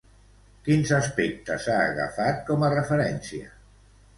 Quins aspectes ha agafat com a referència?